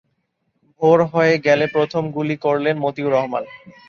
ভোর হয়ে গেলে প্রথম গুলি করলেন মতিউর রহমান।